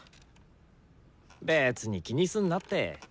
別に気にすんなって。